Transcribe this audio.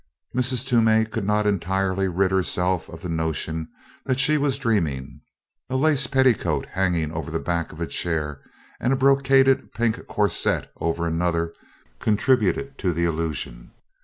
Mrs. Toomey could not entirely rid herself of the notion that she was dreaming. A lace petticoat hanging over the back of a chair and a brocaded pink corset over another contributed to the illusion.